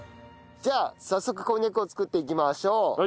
じゃあ早速こんにゃくを作っていきましょう。